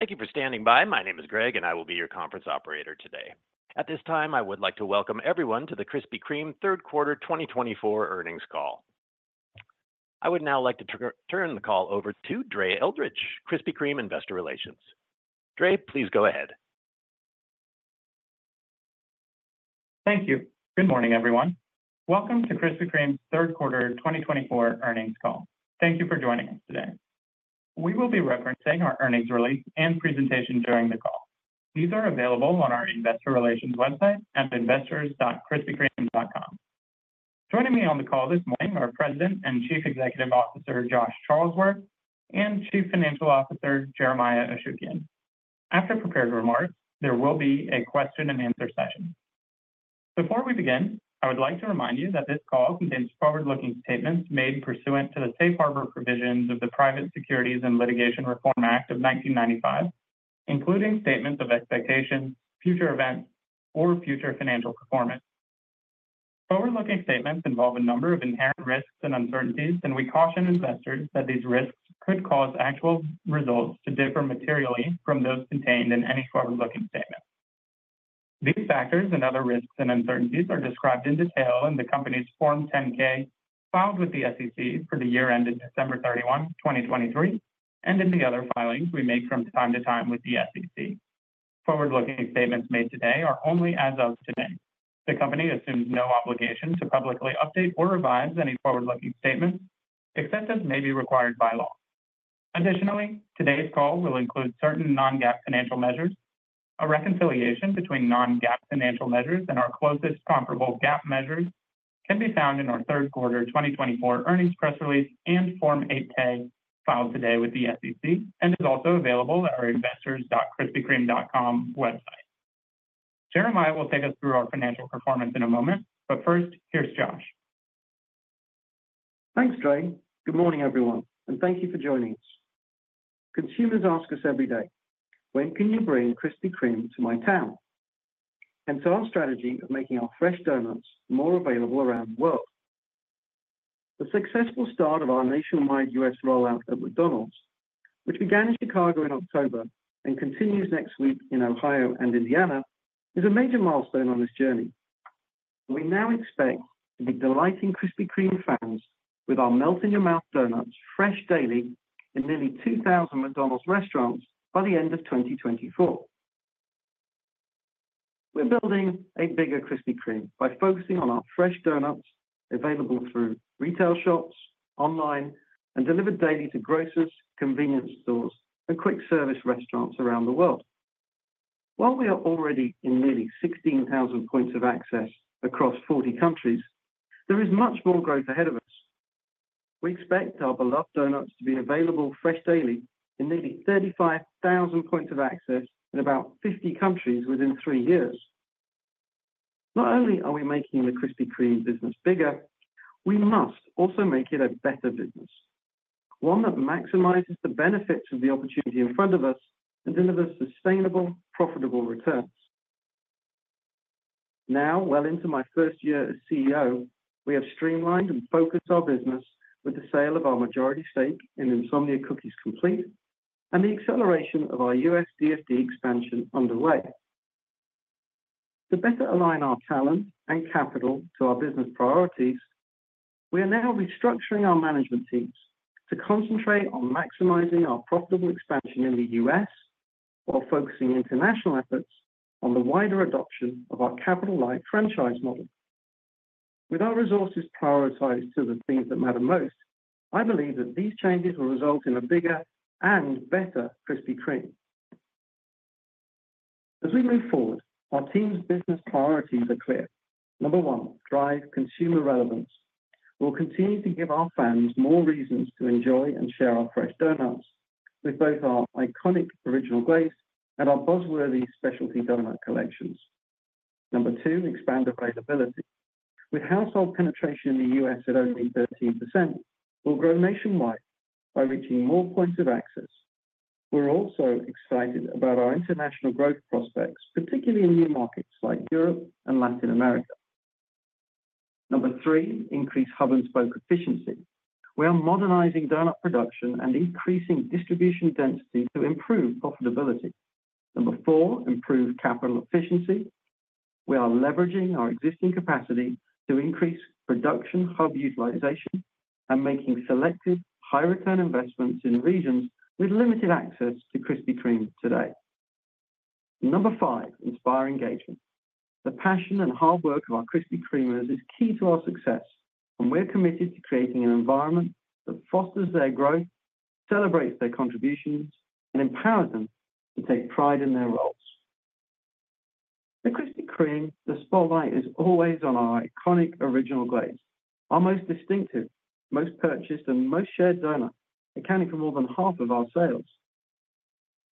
Thank you for standing by. My name is Greg, and I will be your conference operator today. At this time, I would like to welcome everyone to the Krispy Kreme Q3 2024 earnings call. I would now like to turn the call over to Dre Eldridge, Krispy Kreme Investor Relations. Dre, please go ahead. Thank you. Good morning, everyone. Welcome to Krispy Kreme's Q3 2024 Earnings Call. Thank you for joining us today. We will be referencing our earnings release and presentation during the call. These are available on our Investor Relations website at investors.krispykreme.com. Joining me on the call this morning are President and Chief Executive Officer Josh Charlesworth and Chief Financial Officer Jeremiah Ashukian. After prepared remarks, there will be a question-and-answer session. Before we begin, I would like to remind you that this call contains forward-looking statements made pursuant to the safe harbor provisions of the Private Securities Litigation Reform Act of 1995, including statements of expectations, future events, or future financial performance. Forward-looking statements involve a number of inherent risks and uncertainties, and we caution investors that these risks could cause actual results to differ materially from those contained in any forward-looking statement. These factors and other risks and uncertainties are described in detail in the company's Form 10-K filed with the SEC for the year ended December 31, 2023, and in the other filings we make from time to time with the SEC. Forward-looking statements made today are only as of today. The company assumes no obligation to publicly update or revise any forward-looking statements, except as may be required by law. Additionally, today's call will include certain non-GAAP financial measures. A reconciliation between non-GAAP financial measures and our closest comparable GAAP measures can be found in our Q3 2024 earnings press release and Form 8-K filed today with the SEC, and is also available at our investors.krispykreme.com website. Jeremiah will take us through our financial performance in a moment, but first, here's Josh. Thanks, Dre. Good morning, everyone, and thank you for joining us. Consumers ask us every day, "When can you bring Krispy Kreme to my town?", and so our strategy of making our fresh donuts more available around the world. The successful start of our nationwide U.S. rollout at McDonald's, which began in Chicago in October and continues next week in Ohio and Indiana, is a major milestone on this journey. We now expect to be delighting Krispy Kreme fans with our melt-in-your-mouth donuts, fresh daily in nearly 2,000 McDonald's restaurants by the end of 2024. We're building a bigger Krispy Kreme by focusing on our fresh donuts available through retail shops, online, and delivered daily to grocers, convenience stores, and quick service restaurants around the world. While we are already in nearly 16,000 points of access across 40 countries, there is much more growth ahead of us. We expect our beloved donuts to be available fresh daily in nearly 35,000 points of access in about 50 countries within three years. Not only are we making the Krispy Kreme business bigger, we must also make it a better business, one that maximizes the benefits of the opportunity in front of us and delivers sustainable, profitable returns. Now, well into my first year as CEO, we have streamlined and focused our business with the sale of our majority stake in Insomnia Cookies, complete and the acceleration of our U.S. DFD expansion underway. To better align our talent and capital to our business priorities, we are now restructuring our management teams to concentrate on maximizing our profitable expansion in the U.S. while focusing international efforts on the wider adoption of our capital-light franchise model. With our resources prioritized to the things that matter most, I believe that these changes will result in a bigger and better Krispy Kreme. As we move forward, our team's business priorities are clear. Number one, drive consumer relevance. We'll continue to give our fans more reasons to enjoy and share our fresh donuts with both our iconic Original Glaze and our buzzworthy specialty donut collections. Number two, expand availability. With household penetration in the U.S. at only 13%, we'll grow nationwide by reaching more points of access. We're also excited about our international growth prospects, particularly in new markets like Europe and Latin America. Number three, increase hub-and-spoke efficiency. We are modernizing donut production and increasing distribution density to improve profitability. Number four, improve capital efficiency. We are leveraging our existing capacity to increase production hub utilization and making selective high-return investments in regions with limited access to Krispy Kreme today. Number five, inspire engagement. The passion and hard work of our Krispy Kremers is key to our success, and we're committed to creating an environment that fosters their growth, celebrates their contributions, and empowers them to take pride in their roles. At Krispy Kreme, the spotlight is always on our iconic Original Glazed, our most distinctive, most purchased, and most shared donut, accounting for more than half of our sales.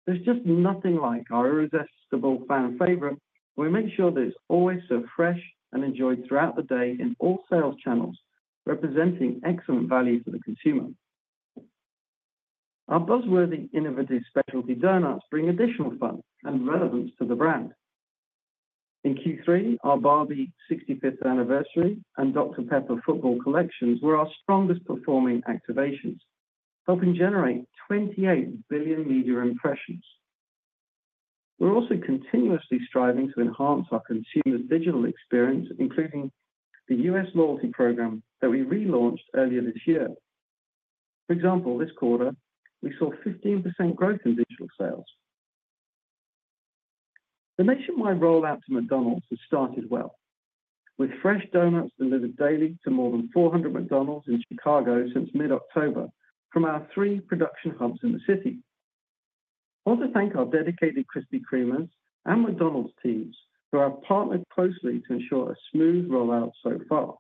There's just nothing like our irresistible fan favorite. We make sure that it's always served fresh and enjoyed throughout the day in all sales channels, representing excellent value for the consumer. Our buzzworthy, innovative specialty donuts bring additional fun and relevance to the brand. In Q3, our Barbie 65th Anniversary and Dr. Pepper Football Collections were our strongest-performing activations, helping generate 28 billion media impressions. We're also continuously striving to enhance our consumer digital experience, including the U.S. loyalty program that we relaunched earlier this year. For example, this quarter, we saw 15% growth in digital sales. The nationwide rollout to McDonald's has started well, with fresh donuts delivered daily to more than 400 McDonald's in Chicago since mid-October from our three production hubs in the city. I want to thank our dedicated Krispy Kremers and McDonald's teams who have partnered closely to ensure a smooth rollout so far.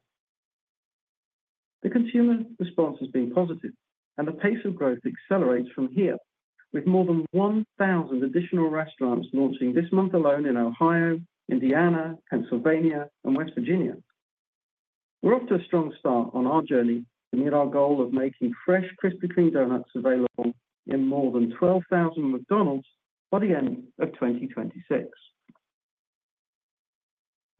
The consumer response has been positive, and the pace of growth accelerates from here, with more than 1,000 additional restaurants launching this month alone in Ohio, Indiana, Pennsylvania, and West Virginia. We're off to a strong start on our journey to meet our goal of making fresh Krispy Kreme donuts available in more than 12,000 McDonald's by the end of 2026.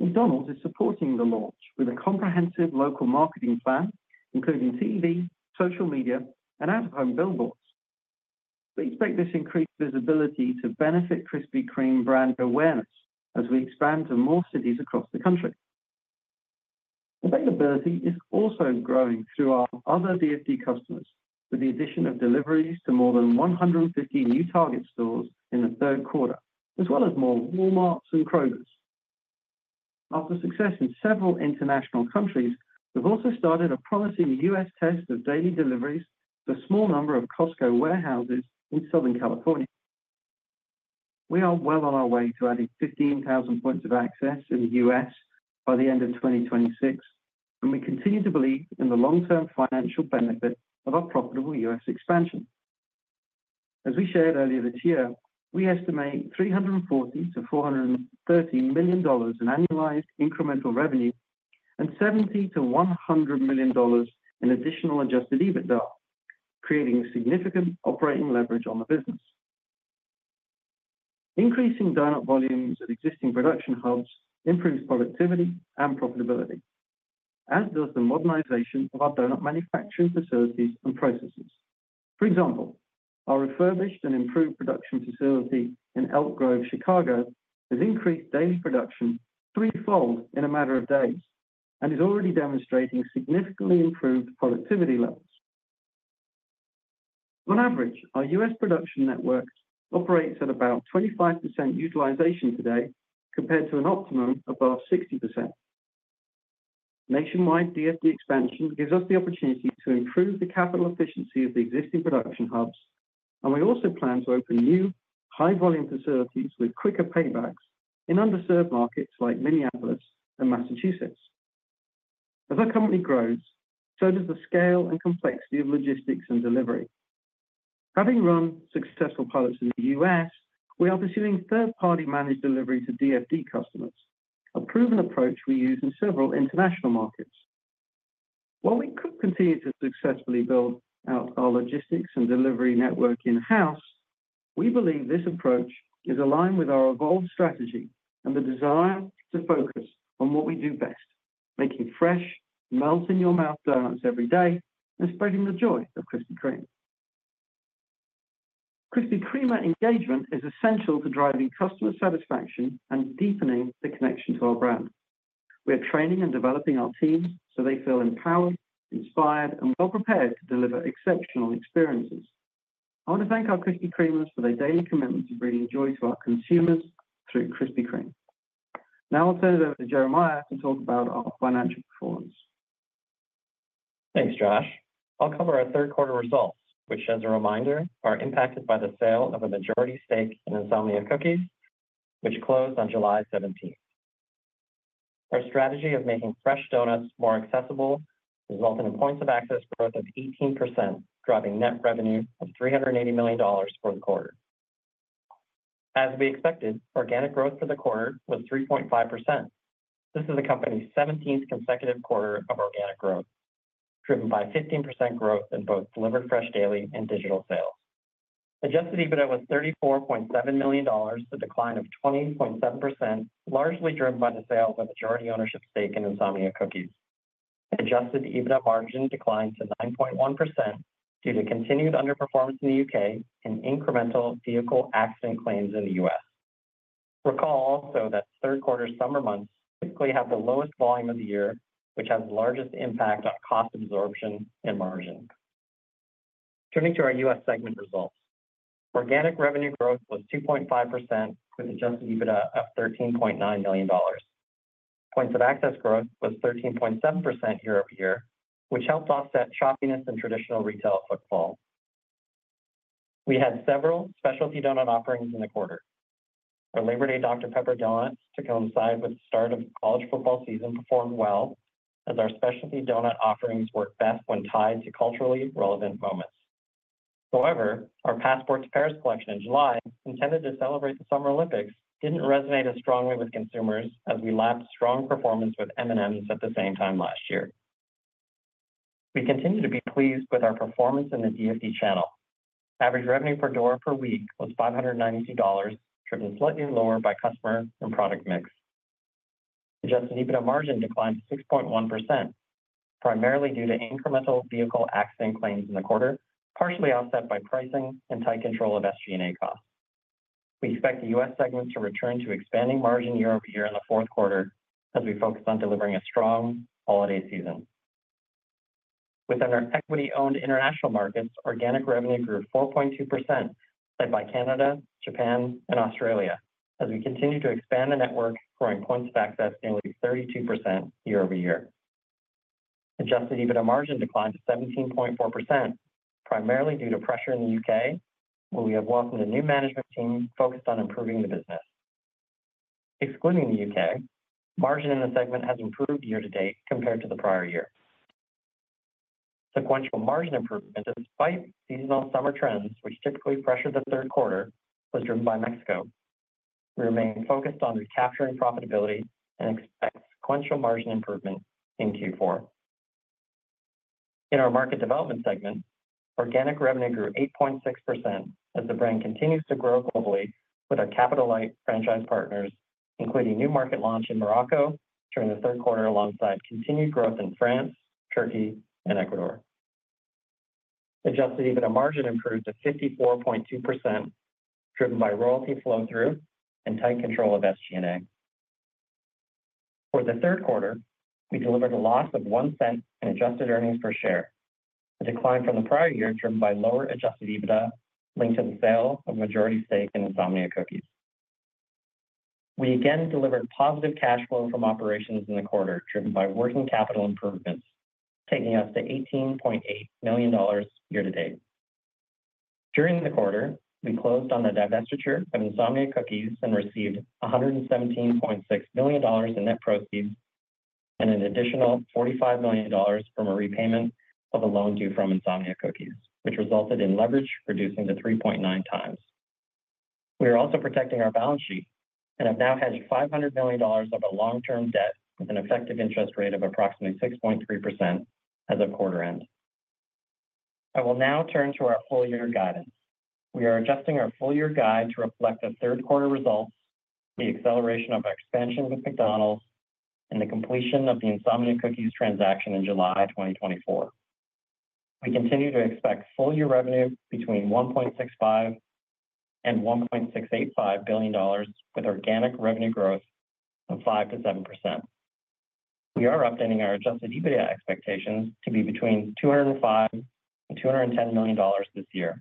McDonald's is supporting the launch with a comprehensive local marketing plan, including TV, social media, and out-of-home billboards. We expect this increased visibility to benefit Krispy Kreme brand awareness as we expand to more cities across the country. Availability is also growing through our other DFD customers, with the addition of deliveries to more than 150 new Target stores in the Q3, as well as more Walmarts and Krogers. After success in several international countries, we've also started a promising U.S. test of daily deliveries to a small number of Costco warehouses in Southern California. We are well on our way to adding 15,000 points of access in the U.S. by the end of 2026, and we continue to believe in the long-term financial benefit of our profitable U.S. expansion. As we shared earlier this year, we estimate $340-$430 million in annualized incremental revenue and $70-$100 million in additional Adjusted EBITDA, creating significant operating leverage on the business. Increasing donut volumes at existing production hubs improves productivity and profitability, as does the modernization of our donut manufacturing facilities and processes. For example, our refurbished and improved production facility in Elk Grove, Chicago, has increased daily production threefold in a matter of days and is already demonstrating significantly improved productivity levels. On average, our U.S. production network operates at about 25% utilization today, compared to an optimum above 60%. Nationwide DFD expansion gives us the opportunity to improve the capital efficiency of the existing production hubs, and we also plan to open new high-volume facilities with quicker paybacks in underserved markets like Minneapolis and Massachusetts. As our company grows, so does the scale and complexity of logistics and delivery. Having run successful pilots in the U.S., we are pursuing third-party managed delivery to DFD customers, a proven approach we use in several international markets. While we could continue to successfully build out our logistics and delivery network in-house, we believe this approach is aligned with our evolved strategy and the desire to focus on what we do best: making fresh, melt-in-your-mouth donuts every day and spreading the joy of Krispy Kreme. Krispy Kreme engagement is essential to driving customer satisfaction and deepening the connection to our brand. We are training and developing our teams so they feel empowered, inspired, and well-prepared to deliver exceptional experiences. I want to thank our Krispy Kremers for their daily commitment to bringing joy to our consumers through Krispy Kreme. Now I'll turn it over to Jeremiah to talk about our financial performance. Thanks, Josh. I'll cover our Q3 results, which, as a reminder, are impacted by the sale of a majority stake in Insomnia Cookies, which closed on July 17th. Our strategy of making fresh donuts more accessible resulted in points of access growth of 18%, driving net revenue of $380 million for the quarter. As we expected, organic growth for the quarter was 3.5%. This is the company's 17th consecutive quarter of organic growth, driven by 15% growth in both delivered fresh daily and digital sales. Adjusted EBITDA was $34.7 million, a decline of 20.7%, largely driven by the sale of a majority ownership stake in Insomnia Cookies. Adjusted EBITDA margin declined to 9.1% due to continued underperformance in the U.K. and incremental vehicle accident claims in the U.S. Recall also that Q3 summer months typically have the lowest volume of the year, which has the largest impact on cost absorption and margin. Turning to our U.S. segment results, organic revenue growth was 2.5%, with Adjusted EBITDA of $13.9 million. Points of access growth was 13.7% year-over-year, which helped offset choppiness and traditional retail footfall. We had several specialty donut offerings in the quarter. Our Labor Day Dr Pepper donuts, to coincide with the start of college football season, performed well, as our specialty donut offerings work best when tied to culturally relevant moments. However, our Passport to Paris collection in July, intended to celebrate the Summer Olympics, didn't resonate as strongly with consumers as we lapped strong performance with M&M's at the same time last year. We continue to be pleased with our performance in the DFD channel. Average revenue per door per week was $592, driven slightly lower by customer and product mix. Adjusted EBITDA margin declined to 6.1%, primarily due to incremental vehicle accident claims in the quarter, partially offset by pricing and tight control of SG&A costs. We expect the U.S. segment to return to expanding margin year-over-year in the fourth quarter as we focus on delivering a strong holiday season. Within our equity-owned international markets, organic revenue grew 4.2%, led by Canada, Japan, and Australia, as we continue to expand the network, growing points of access nearly 32% year-over-year. Adjusted EBITDA margin declined to 17.4%, primarily due to pressure in the U.K., where we have welcomed a new management team focused on improving the business. Excluding the U.K., margin in the segment has improved year to date compared to the prior year. Sequential margin improvement, despite seasonal summer trends, which typically pressured the Q3, was driven by Mexico. We remain focused on recapturing profitability and expect sequential margin improvement in Q4. In our market development segment, organic revenue grew 8.6% as the brand continues to grow globally with our capital-light franchise partners, including new market launch in Morocco during the Q3, alongside continued growth in France, Turkey, and Ecuador. Adjusted EBITDA margin improved to 54.2%, driven by royalty flow-through and tight control of SG&A. For the Q3, we delivered a loss of $0.01 in adjusted earnings per share, a decline from the prior year driven by lower adjusted EBITDA linked to the sale of majority stake in Insomnia Cookies. We again delivered positive cash flow from operations in the quarter, driven by working capital improvements, taking us to $18.8 million year to date. During the quarter, we closed on the divestiture of Insomnia Cookies and received $117.6 million in net proceeds and an additional $45 million from a repayment of a loan due from Insomnia Cookies, which resulted in leverage reducing to 3.9x. We are also protecting our balance sheet and have now hedged $500 million of our long-term debt with an effective interest rate of approximately 6.3% as of quarter end. I will now turn to our full-year guidance. We are adjusting our full-year guide to reflect the Q3 results, the acceleration of our expansion with McDonald's, and the completion of the Insomnia Cookies transaction in July 2024. We continue to expect full-year revenue between $1.65-$1.685 billion, with organic revenue growth of 5%-7%. We are updating our adjusted EBITDA expectations to be between $205-$210 million this year.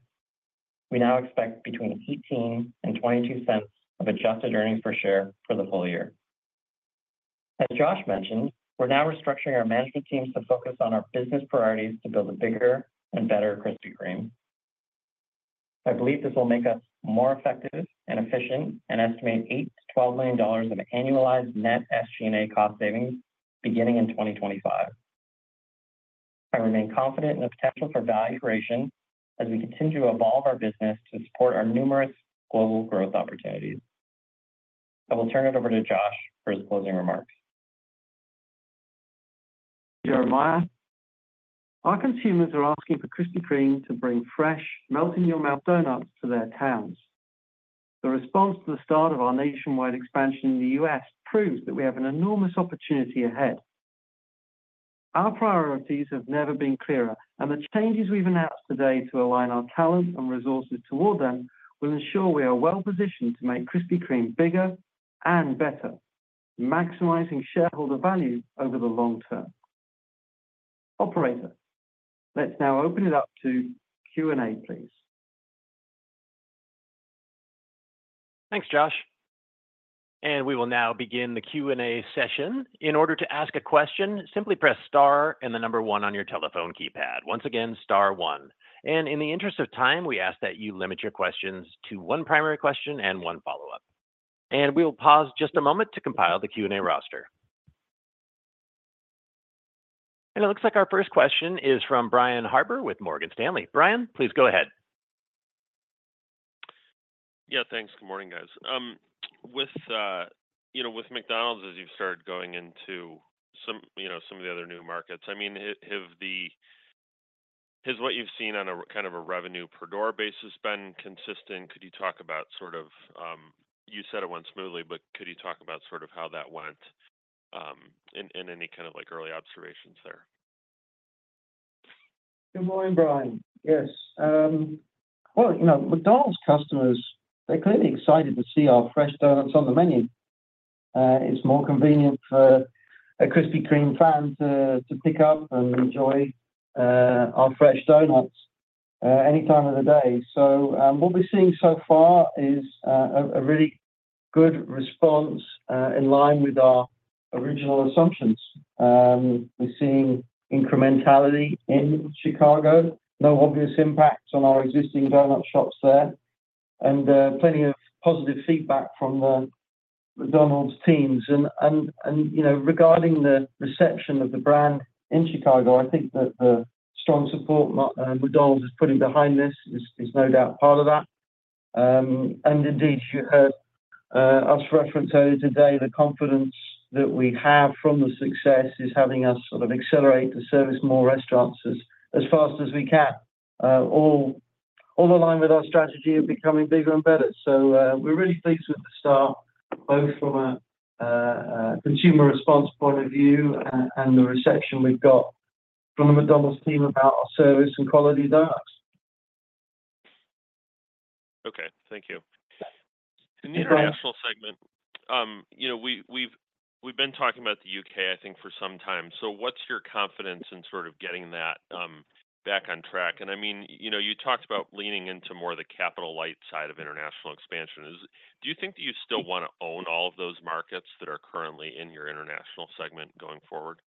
We now expect between $0.18 and $0.22 of adjusted earnings per share for the full year. As Josh mentioned, we're now restructuring our management teams to focus on our business priorities to build a bigger and better Krispy Kreme. I believe this will make us more effective and efficient and estimate $8-$12 million of annualized net SG&A cost savings beginning in 2025. I remain confident in the potential for value creation as we continue to evolve our business to support our numerous global growth opportunities. I will turn it over to Josh for his closing remarks. Jeremiah, our consumers are asking for Krispy Kreme to bring fresh, melt-in-your-mouth donuts to their towns. The response to the start of our nationwide expansion in the U.S. proves that we have an enormous opportunity ahead. Our priorities have never been clearer, and the changes we've announced today to align our talent and resources toward them will ensure we are well-positioned to make Krispy Kreme bigger and better, maximizing shareholder value over the long term. Operator, let's now open it up to Q&A, please. Thanks, Josh. And we will now begin the Q&A session. In order to ask a question, simply press Star and the number one on your telephone keypad. Once again, Star one. And in the interest of time, we ask that you limit your questions to one primary question and one follow-up. And we will pause just a moment to compile the Q&A roster. And it looks like our first question is from Brian Harbour with Morgan Stanley. Brian, please go ahead. Yeah, thanks. Good morning, guys. With McDonald's, as you've started going into some of the other new markets, I mean, has what you've seen on a kind of a revenue per door basis been consistent? Could you talk about sort of, you said it went smoothly, but could you talk about sort of how that went and any kind of early observations there? Good morning, Brian. Yes. Well, you know, McDonald's customers, they're clearly excited to see our fresh donuts on the menu. It's more convenient for a Krispy Kreme fan to pick up and enjoy our fresh donuts any time of the day. So what we're seeing so far is a really good response in line with our original assumptions. We're seeing incrementality in Chicago, no obvious impact on our existing donut shops there, and plenty of positive feedback from the McDonald's teams. And regarding the reception of the brand in Chicago, I think that the strong support McDonald's is putting behind this is no doubt part of that. And indeed, you heard us reference earlier today, the confidence that we have from the success is having us sort of accelerate to service more restaurants as fast as we can, all aligned with our strategy of becoming bigger and better. We're really pleased with the start, both from a consumer response point of view and the reception we've got from the McDonald's team about our service and quality donuts. Okay, thank you. In the international segment, we've been talking about the U.K., I think, for some time. So what's your confidence in sort of getting that back on track? And I mean, you talked about leaning into more of the capital-light side of international expansion. Do you think that you still want to own all of those markets that are currently in your international segment going forward?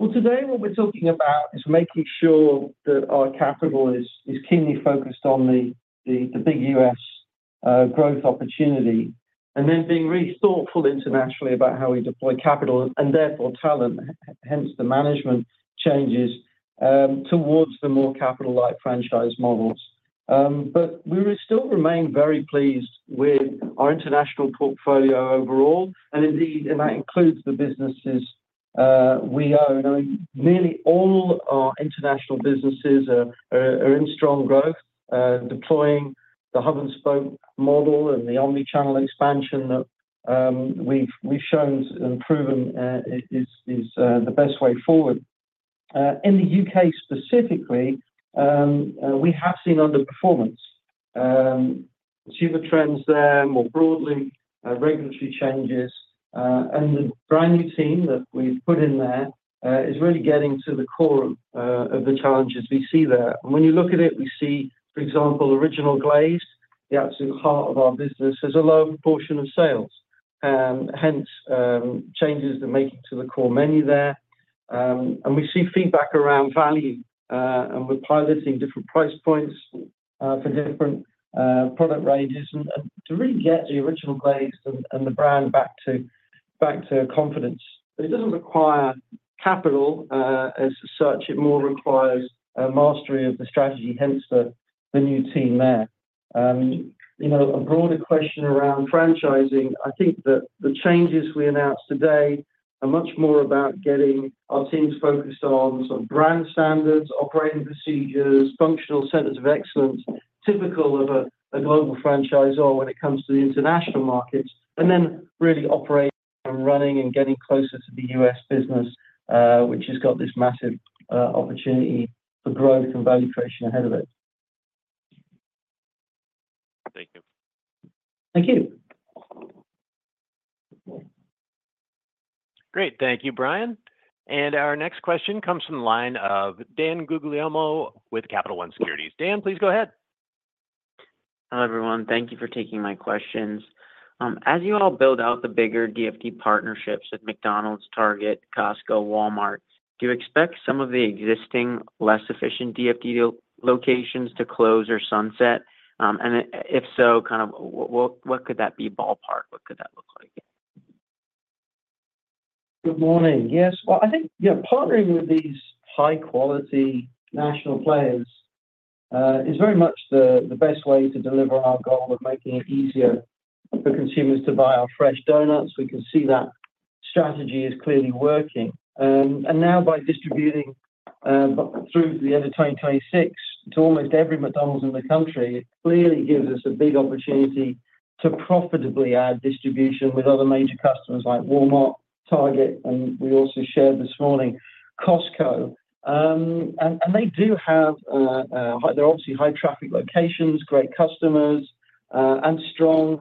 Today, what we're talking about is making sure that our capital is keenly focused on the big U.S. growth opportunity and then being really thoughtful internationally about how we deploy capital and therefore talent, hence the management changes towards the more capital-light franchise models. We still remain very pleased with our international portfolio overall. Indeed, that includes the businesses we own. Nearly all our international businesses are in strong growth, deploying the hub-and-spoke model and the omnichannel expansion that we've shown and proven is the best way forward. In the U.K. specifically, we have seen underperformance, consumer trends there more broadly, regulatory changes. The brand new team that we've put in there is really getting to the core of the challenges we see there. And when you look at it, we see, for example, Original Glazed, the absolute heart of our business, has a low proportion of sales, hence changes that make it to the core menu there. And we see feedback around value, and we're piloting different price points for different product ranges to really get the Original Glazed and the brand back to confidence. It doesn't require capital as such. It more requires mastery of the strategy, hence the new team there. A broader question around franchising, I think that the changes we announced today are much more about getting our teams focused on sort of brand standards, operating procedures, functional centers of excellence, typical of a global franchisor when it comes to the international markets, and then really operating and running and getting closer to the U.S. business, which has got this massive opportunity for growth and value creation ahead of it. Thank you. Thank you. Great. Thank you, Brian, and our next question comes from the line of Dan Guglielmo with Capital One Securities. Dan, please go ahead. Hi, everyone. Thank you for taking my questions. As you all build out the bigger DFD partnerships at McDonald's, Target, Costco, Walmart, do you expect some of the existing less efficient DFD locations to close or sunset? And if so, kind of what could that be ballpark? What could that look like? Good morning. Yes. Well, I think partnering with these high-quality national players is very much the best way to deliver our goal of making it easier for consumers to buy our fresh donuts. We can see that strategy is clearly working. And now, by distributing through the end of 2026 to almost every McDonald's in the country, it clearly gives us a big opportunity to profitably add distribution with other major customers like Walmart, Target, and we also shared this morning, Costco. And they do have, obviously, high-traffic locations, great customers, and strong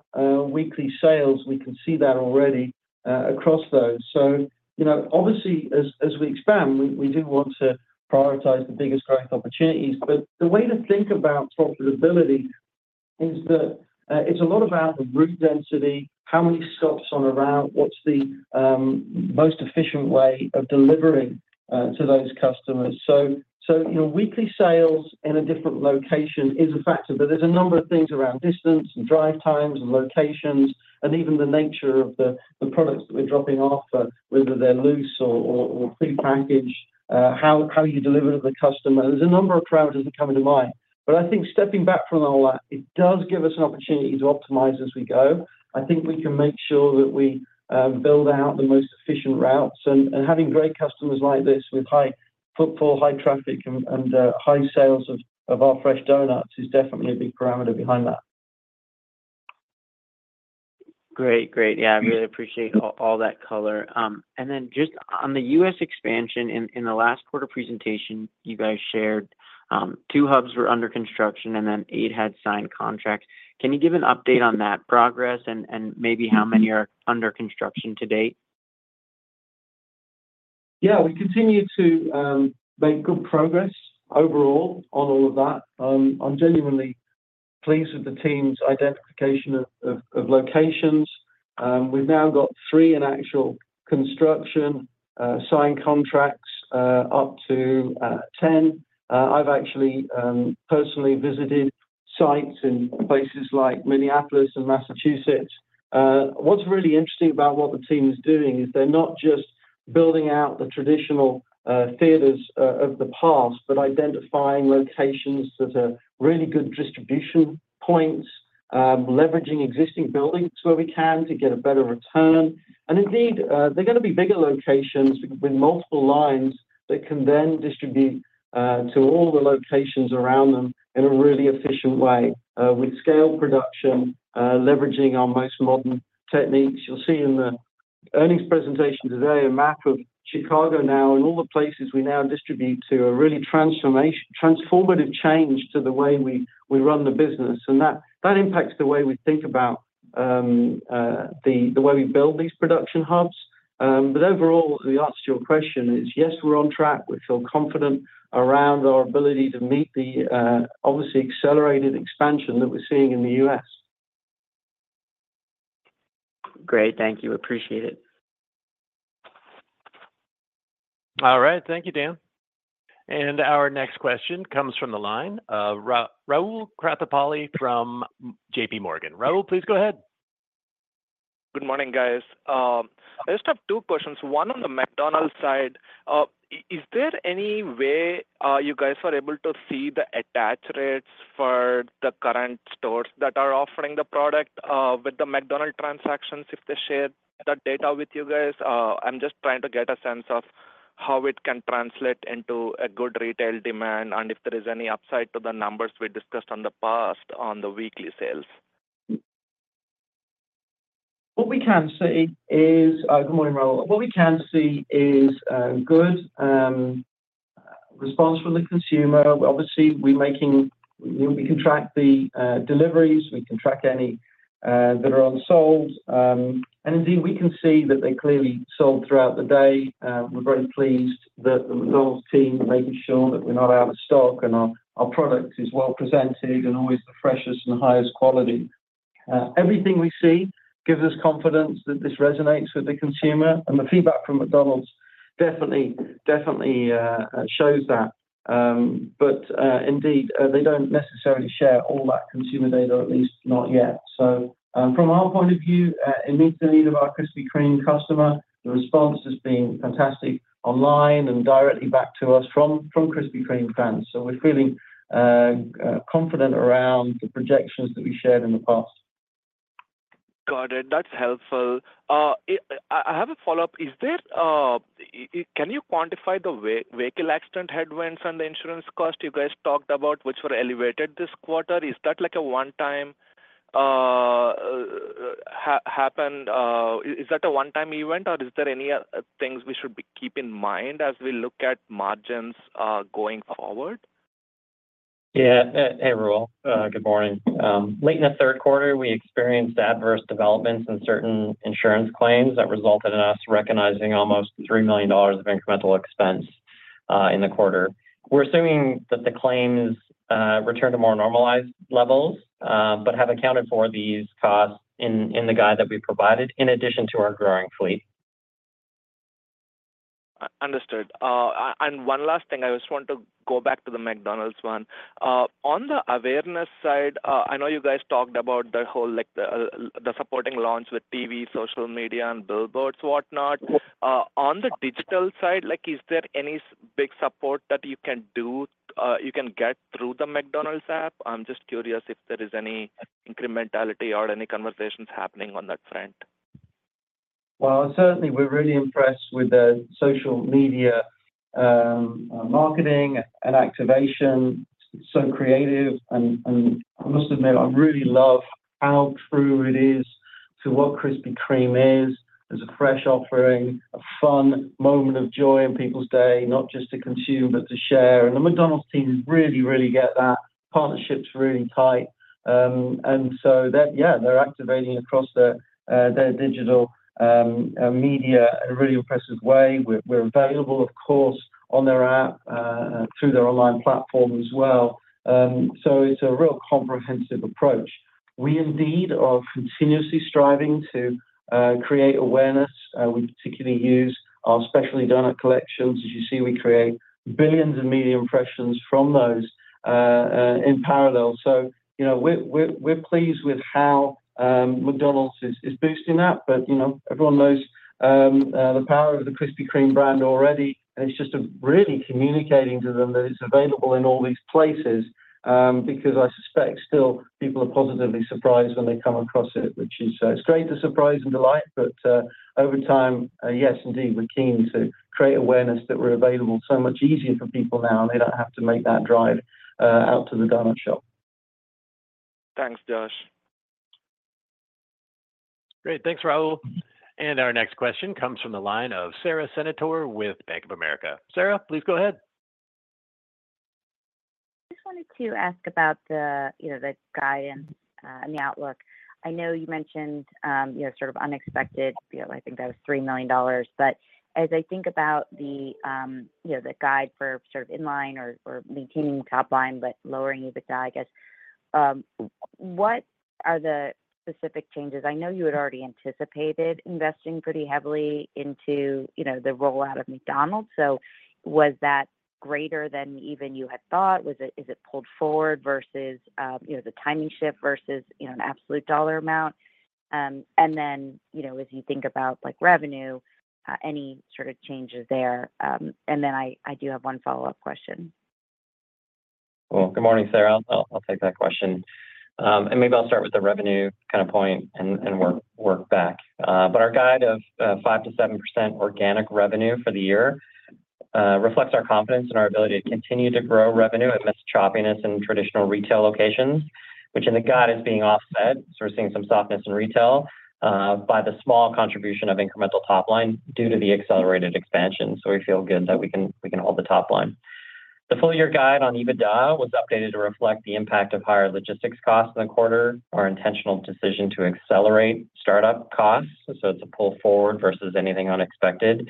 weekly sales. We can see that already across those. So obviously, as we expand, we do want to prioritize the biggest growth opportunities. But the way to think about profitability is that it's a lot about the route density, how many stops on a route, what's the most efficient way of delivering to those customers. So, weekly sales in a different location is a factor, but there's a number of things around distance and drive times and locations and even the nature of the products that we're dropping off, whether they're loose or prepackaged, how you deliver to the customer. There's a number of parameters that come into mind. But I think stepping back from all that, it does give us an opportunity to optimize as we go. I think we can make sure that we build out the most efficient routes. And having great customers like this with high footfall, high traffic, and high sales of our fresh donuts is definitely a big parameter behind that. Great. Great. Yeah, I really appreciate all that color. And then just on the U.S. expansion, in the last quarter presentation, you guys shared two hubs were under construction and then eight had signed contracts. Can you give an update on that progress and maybe how many are under construction to date? Yeah, we continue to make good progress overall on all of that. I'm genuinely pleased with the team's identification of locations. We've now got three in actual construction, signed contracts up to 10. I've actually personally visited sites in places like Minneapolis and Massachusetts. What's really interesting about what the team is doing is they're not just building out the traditional theaters of the past, but identifying locations that are really good distribution points, leveraging existing buildings where we can to get a better return. And indeed, they're going to be bigger locations with multiple lines that can then distribute to all the locations around them in a really efficient way with scale production, leveraging our most modern techniques. You'll see in the earnings presentation today a map of Chicago now and all the places we now distribute to. A really transformative change to the way we run the business. And that impacts the way we think about the way we build these production hubs. But overall, the answer to your question is, yes, we're on track. We feel confident around our ability to meet the obviously accelerated expansion that we're seeing in the U.S. Great. Thank you. Appreciate it. All right. Thank you, Dan. And our next question comes from the line of Rahul Krotthapalli from J.P. Morgan. Rahul, please go ahead. Good morning, guys. I just have two questions. One on the McDonald's side, is there any way you guys are able to see the attach rates for the current stores that are offering the product with the McDonald's transactions if they share that data with you guys? I'm just trying to get a sense of how it can translate into a good retail demand and if there is any upside to the numbers we discussed in the past on the weekly sales. What we can see is, good morning, Rahul. What we can see is good response from the consumer. Obviously, we can track the deliveries. We can track any that are unsold, and indeed we can see that they're clearly sold throughout the day. We're very pleased that the McDonald's team are making sure that we're not out of stock and our product is well presented and always the freshest and highest quality. Everything we see gives us confidence that this resonates with the consumer, and the feedback from McDonald's definitely shows that, but indeed they don't necessarily share all that consumer data, at least not yet, so from our point of view it meets the need of our Krispy Kreme customer. The response has been fantastic online and directly back to us from Krispy Kreme fans, so we're feeling confident around the projections that we shared in the past. Got it. That's helpful. I have a follow-up. Can you quantify the vehicle accident headwinds and the insurance cost you guys talked about, which were elevated this quarter? Is that like a one-time happened? Is that a one-time event, or is there any things we should keep in mind as we look at margins going forward? Yeah. Hey, Rahul. Good morning. Late in the Q3, we experienced adverse developments in certain insurance claims that resulted in us recognizing almost $3 million of incremental expense in the quarter. We're assuming that the claims returned to more normalized levels, but have accounted for these costs in the guide that we provided in addition to our growing fleet. Understood. And one last thing, I just want to go back to the McDonald's one. On the awareness side, I know you guys talked about the supporting launch with TV, social media, and billboards, whatnot. On the digital side, is there any big support that you can do, you can get through the McDonald's app? I'm just curious if there is any incrementality or any conversations happening on that front? Well, certainly, we're really impressed with the social media marketing and activation. It's so creative. And I must admit, I really love how true it is to what Krispy Kreme is. There's a fresh offering, a fun moment of joy in people's day, not just to consume, but to share. And the McDonald's team really, really get that. Partnerships are really tight. And so, yeah, they're activating across their digital media in a really impressive way. We're available, of course, on their app through their online platform as well. So it's a real comprehensive approach. We indeed are continuously striving to create awareness. We particularly use our specialty donut collections. As you see, we create billions of media impressions from those in parallel. So we're pleased with how McDonald's is boosting that. But everyone knows the power of the Krispy Kreme brand already. And it's just really communicating to them that it's available in all these places because I suspect still people are positively surprised when they come across it, which is great to surprise and delight. But over time, yes, indeed, we're keen to create awareness that we're available so much easier for people now, and they don't have to make that drive out to the donut shop. Thanks, Josh. Great. Thanks, Rahul. And our next question comes from the line of Sara Senatore with Bank of America. Sara, please go ahead. I just wanted to ask about the guide and the outlook. I know you mentioned sort of unexpected, I think that was $3 million. But as I think about the guide for sort of inline or maintaining top line, but lowering EBITDA, I guess, what are the specific changes? I know you had already anticipated investing pretty heavily into the rollout of McDonald's. So was that greater than even you had thought? Is it pulled forward versus the timing shift versus an absolute dollar amount? And then as you think about revenue, any sort of changes there? And then I do have one follow-up question. Good morning, Sarah. I'll take that question. Maybe I'll start with the revenue kind of point and work back. Our guide of 5%-7% organic revenue for the year reflects our confidence in our ability to continue to grow revenue amidst choppiness in traditional retail locations, which in the guide is being offset. We're seeing some softness in retail by the small contribution of incremental top line due to the accelerated expansion. We feel good that we can hold the top line. The full-year guide on EBITDA was updated to reflect the impact of higher logistics costs in the quarter, our intentional decision to accelerate startup costs. It's a pull forward versus anything unexpected.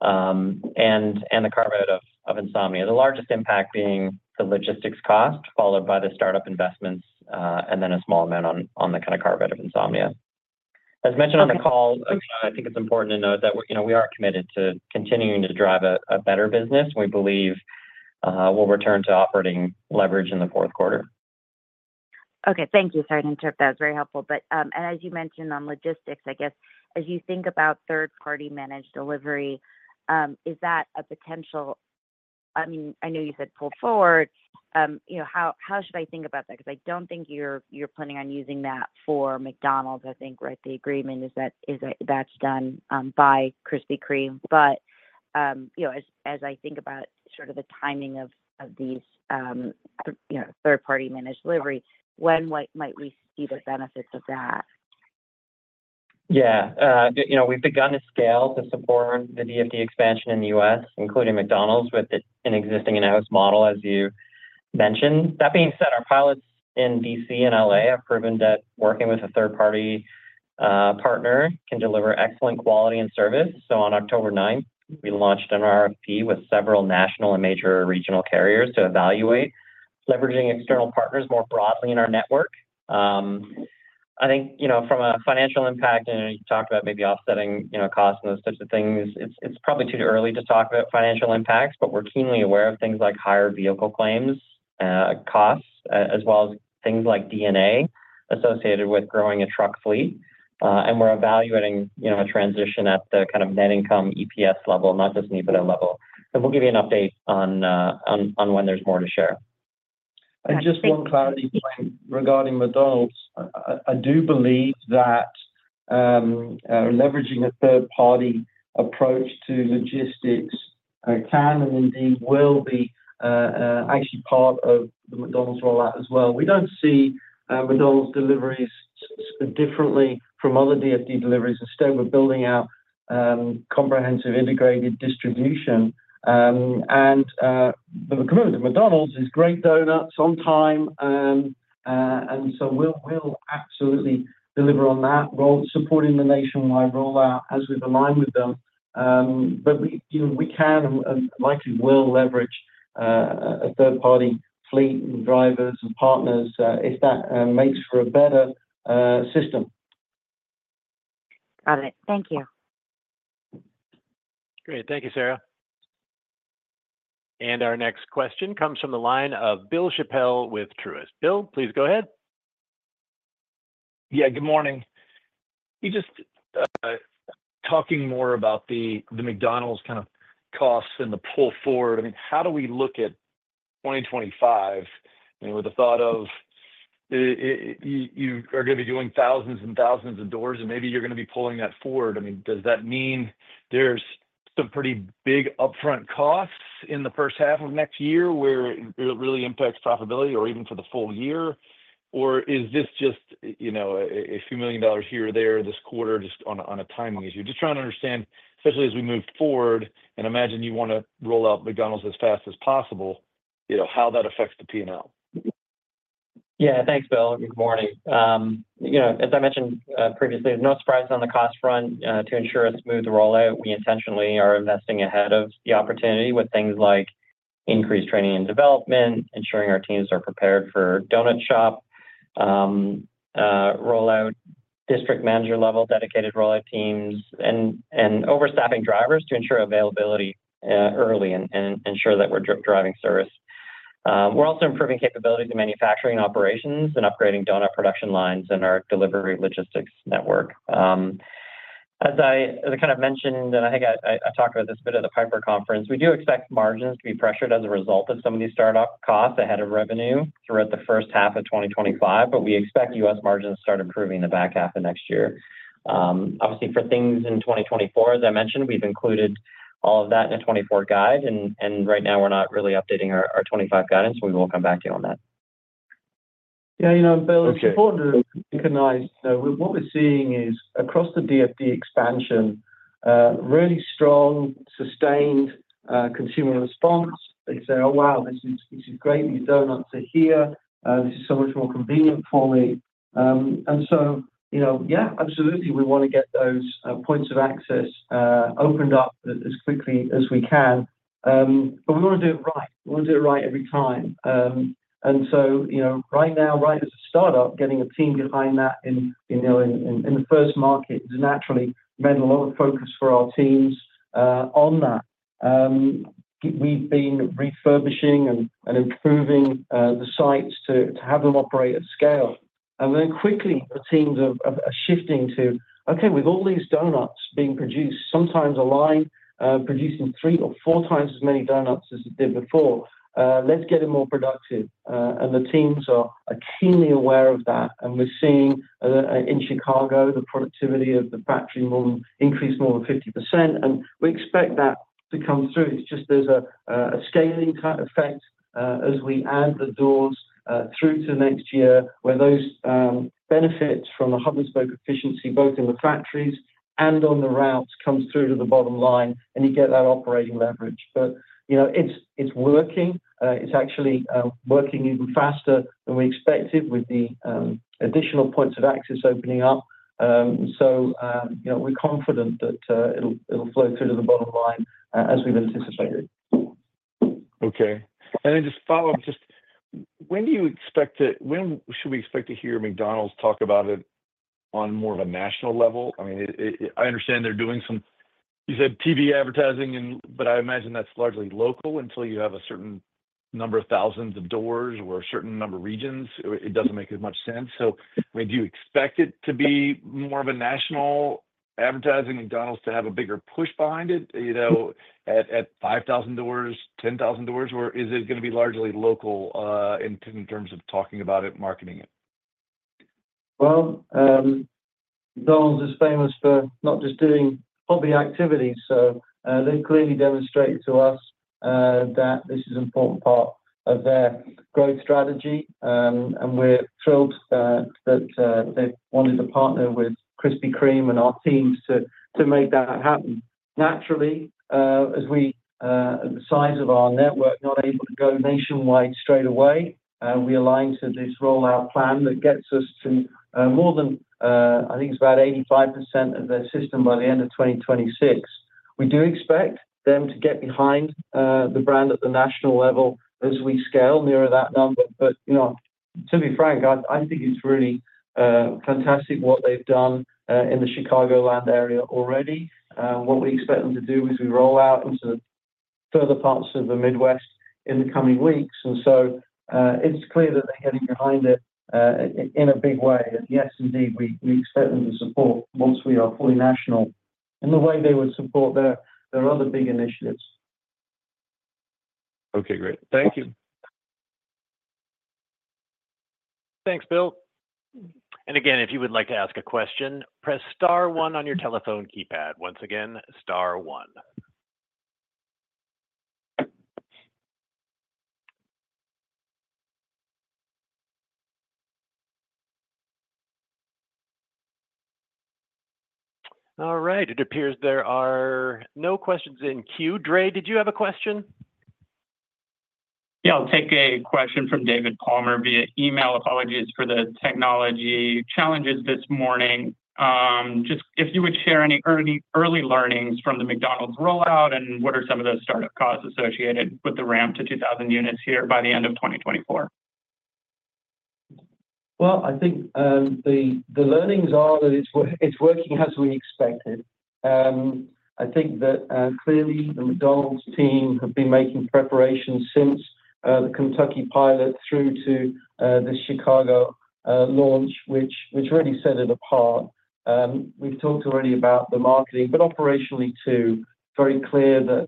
The carve-out of Insomnia, the largest impact being the logistics cost, followed by the startup investments, and then a small amount on the kind of carve-out of Insomnia. As mentioned on the call, I think it's important to note that we are committed to continuing to drive a better business. We believe we'll return to operating leverage in the fourth quarter. Okay. Thank you. Sorry to interrupt. That was very helpful. But as you mentioned on logistics, I guess, as you think about third-party managed delivery, is that a potential? I mean, I know you said pull forward. How should I think about that? Because I don't think you're planning on using that for McDonald's, I think, right? The agreement is that that's done by Krispy Kreme. But as I think about sort of the timing of these third-party managed delivery, when might we see the benefits of that? Yeah. We've begun to scale to support the DFD expansion in the U.S., including McDonald's with an existing in-house model, as you mentioned. That being said, our pilots in DC and LA have proven that working with a third-party partner can deliver excellent quality and service. So on October 9th, we launched an RFP with several national and major regional carriers to evaluate leveraging external partners more broadly in our network. I think from a financial impact, and you talked about maybe offsetting costs and those types of things, it's probably too early to talk about financial impacts, but we're keenly aware of things like higher vehicle claims costs, as well as things like D&A associated with growing a truck fleet. And we're evaluating a transition at the kind of net income EPS level, not just an EBITDA level. And we'll give you an update on when there's more to share. Just one clarity point regarding McDonald's. I do believe that leveraging a third-party approach to logistics can and indeed will be actually part of the McDonald's rollout as well. We don't see McDonald's deliveries differently from other DFD deliveries. Instead, we're building out comprehensive integrated distribution. The commitment to McDonald's is great donuts on time. So we'll absolutely deliver on that, supporting the nationwide rollout as we've aligned with them. We can and likely will leverage a third-party fleet and drivers and partners if that makes for a better system. Got it. Thank you. Great. Thank you, Sara. And our next question comes from the line of Bill Chappell with Truist. Bill, please go ahead. Yeah. Good morning. Just talking more about the McDonald's kind of costs and the pull forward, I mean, how do we look at 2025 with the thought of you are going to be doing thousands and thousands of doors, and maybe you're going to be pulling that forward? I mean, does that mean there's some pretty big upfront costs in the first half of next year where it really impacts profitability or even for the full year? Or is this just a few million dollars here or there this quarter just on a timing issue? Just trying to understand, especially as we move forward, and imagine you want to roll out McDonald's as fast as possible, how that affects the P&L? Yeah. Thanks, Bill. Good morning. As I mentioned previously, there's no surprise on the cost front. To ensure a smooth rollout, we intentionally are investing ahead of the opportunity with things like increased training and development, ensuring our teams are prepared for donut shop rollout, district manager level dedicated rollout teams, and overstaffing drivers to ensure availability early and ensure that we're driving service. We're also improving capabilities of manufacturing operations and upgrading donut production lines and our delivery logistics network. As I kind of mentioned, and I think I talked about this a bit at the Piper conference, we do expect margins to be pressured as a result of some of these startup costs ahead of revenue throughout the first half of 2025, but we expect U.S. margins to start improving in the back half of next year. Obviously, for things in 2024, as I mentioned, we've included all of that in a 2024 guide, and right now, we're not really updating our 2025 guidance. We will come back to you on that. Yeah. Bill, it's important to recognize what we're seeing is across the DFD expansion, really strong, sustained consumer response. They say, "Oh, wow, this is great. These donuts are here. This is so much more convenient for me." And so, yeah, absolutely, we want to get those points of access opened up as quickly as we can. But we want to do it right. We want to do it right every time. And so right now, right as a startup, getting a team behind that in the first market has naturally meant a lot of focus for our teams on that. We've been refurbishing and improving the sites to have them operate at scale. And then quickly, the teams are shifting to, "Okay, with all these donuts being produced, sometimes a line producing three or four times as many donuts as it did before, let's get it more productive." And the teams are keenly aware of that. And we're seeing in Chicago, the productivity of the factory increased more than 50%. And we expect that to come through. It's just there's a scaling type effect as we add the doors through to next year where those benefits from the hub and spoke efficiency, both in the factories and on the routes, come through to the bottom line, and you get that operating leverage. But it's working. It's actually working even faster than we expected with the additional points of access opening up. So we're confident that it'll flow through to the bottom line as we've anticipated. Okay. And then just follow-up. Just when do you expect to, when should we expect to hear McDonald's talk about it on more of a national level? I mean, I understand they're doing some, you said, TV advertising, but I imagine that's largely local until you have a certain number of thousands of doors or a certain number of regions. It doesn't make as much sense. So do you expect it to be more of a national advertising, McDonald's to have a bigger push behind it at 5,000 doors, 10,000 doors? Or is it going to be largely local in terms of talking about it, marketing it? McDonald's is famous for not just doing hobby activities. They clearly demonstrate to us that this is an important part of their growth strategy. We're thrilled that they wanted to partner with Krispy Kreme and our teams to make that happen. Naturally, as we scale the size of our network, not able to go nationwide straight away, we align to this rollout plan that gets us to more than, I think it's about 85% of their system by the end of 2026. We do expect them to get behind the brand at the national level as we scale nearer that number. To be frank, I think it's really fantastic what they've done in the Chicagoland area already. What we expect them to do is we roll out into the further parts of the Midwest in the coming weeks. And so it's clear that they're getting behind it in a big way. And yes, indeed, we expect them to support once we are fully national in the way they would support their other big initiatives. Okay. Great. Thank you. Thanks, Bill. And again, if you would like to ask a question, press star one on your telephone keypad. Once again, star one. All right. It appears there are no questions in queue. Dre, did you have a question? Yeah. I'll take a question from David Palmer via email. Apologies for the technology challenges this morning. Just if you would share any early learnings from the McDonald's rollout and what are some of the startup costs associated with the ramp to 2,000 units here by the end of 2024? I think the learnings are that it's working as we expected. I think that clearly the McDonald's team have been making preparations since the Kentucky pilot through to the Chicago launch, which really set it apart. We've talked already about the marketing, but operationally too, very clear that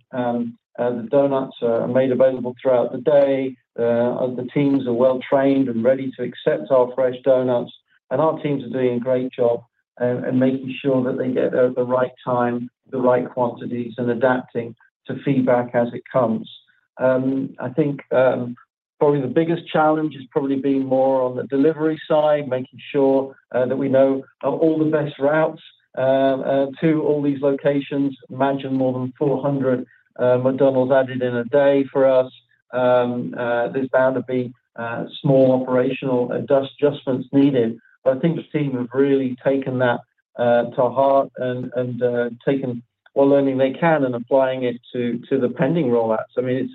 the donuts are made available throughout the day. The teams are well-trained and ready to accept our fresh donuts. And our teams are doing a great job in making sure that they get at the right time, the right quantities, and adapting to feedback as it comes. I think probably the biggest challenge is probably being more on the delivery side, making sure that we know all the best routes to all these locations. Imagine more than 400 McDonald's added in a day for us. There's bound to be small operational adjustments needed. But I think the team have really taken that to heart and taken what learning they can and applying it to the pending rollouts. I mean,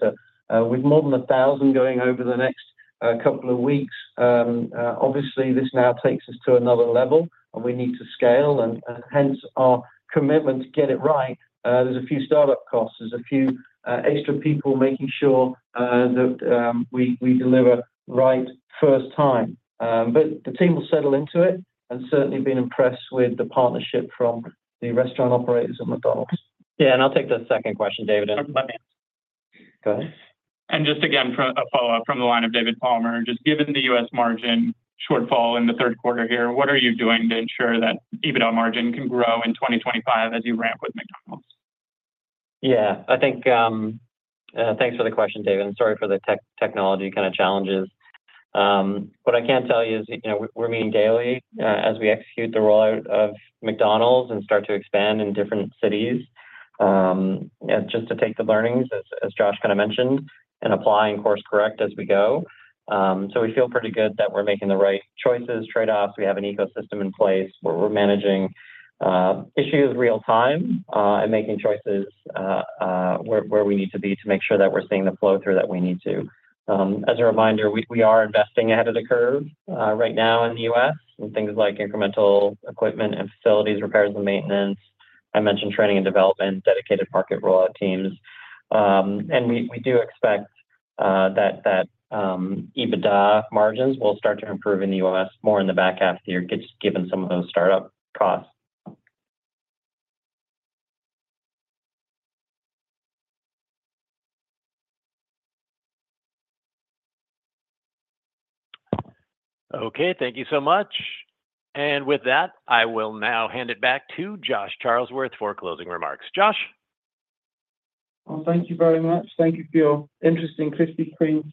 with more than 1,000 going over the next couple of weeks, obviously, this now takes us to another level, and we need to scale, and hence our commitment to get it right. There's a few startup costs. There's a few extra people making sure that we deliver right first time. The team will settle into it and certainly have been impressed with the partnership from the restaurant operators at McDonald's. Yeah, and I'll take the second question, David. Go ahead. And just again, a follow-up from the line of David Palmer. Just given the U.S. margin shortfall in the Q3 here, what are you doing to ensure that EBITDA margin can grow in 2025 as you ramp with McDonald's? Yeah. I think thanks for the question, David. I'm sorry for the technology kind of challenges. What I can tell you is we're meeting daily as we execute the rollout of McDonald's and start to expand in different cities just to take the learnings, as Josh kind of mentioned, and apply and course-correct as we go. So we feel pretty good that we're making the right choices, trade-offs. We have an ecosystem in place where we're managing issues real-time and making choices where we need to be to make sure that we're seeing the flow through that we need to. As a reminder, we are investing ahead of the curve right now in the U.S. in things like incremental equipment and facilities, repairs and maintenance. I mentioned training and development, dedicated market rollout teams. We do expect that EBITDA margins will start to improve in the U.S. more in the back half of the year, just given some of those startup costs. Okay. Thank you so much. And with that, I will now hand it back to Josh Charlesworth for closing remarks. Josh. Well, thank you very much. Thank you for your interest in Krispy Kreme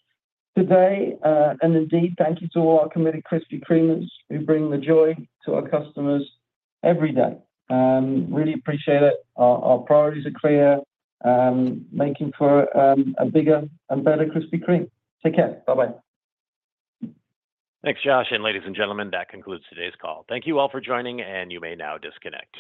today. And indeed, thank you to all our committed Krispy Kremers who bring the joy to our customers every day. Really appreciate it. Our priorities are clear. Making for a bigger and better Krispy Kreme. Take care. Bye-bye. Thanks, Josh. And ladies and gentlemen, that concludes today's call. Thank you all for joining, and you may now disconnect.